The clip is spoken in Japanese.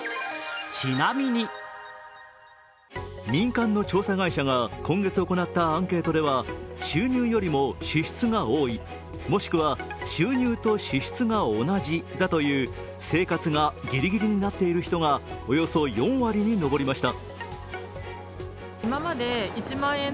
民間の調査会社が今月行ったアンケートでは収入よりも支出が多い、もしくは収入と支出が同じだという生活がギリギリになっている人がおよそ４割に上りました。